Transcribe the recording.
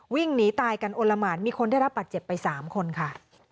วิ่งหนีตายกันโอละหมานมีคนได้รับบัตรเจ็บไป๓คนค่ะ